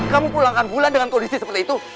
kamu pulangkan bulan dengan kondisi seperti itu